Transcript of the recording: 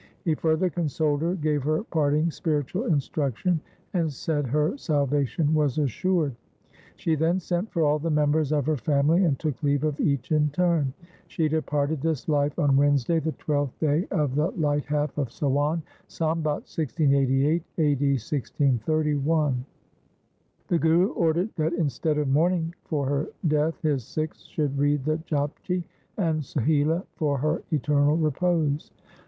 He further consoled her, gave her parting spiritual instruction, and said her salvation was assured. She then sent for all the members of her family, and took leave of each in turn. She departed this life on Wednesday, the twelfth day of the light half of Sawan, Sambat 1688 (a.d. 1631). The Guru ordered that instead of mourning for her death his Sikhs should read the Japji and Sohila for her eternal repose.